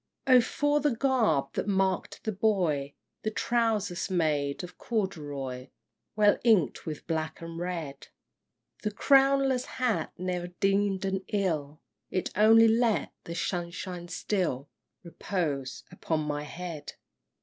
X. Oh for the garb that marked the boy, The trousers made of corduroy, Well ink'd with black and red; The crownless hat, ne'er deem'd an ill It only let the sunshine still Repose upon my head!